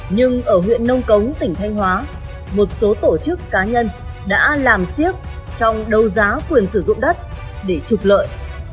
nhưng ở huyện nông cống tỉnh thanh hóa một số tổ chức cá nhân đã làm siết trong đấu giá quyền sử dụng đất để trục lợi